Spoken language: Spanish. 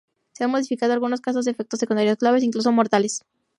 Se han notificado algunos casos de efectos secundarios graves, incluso mortales.